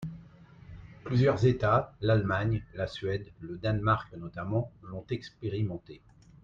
Plusieurs États, l’Allemagne, la Suède, le Danemark notamment, l’ont expérimenté.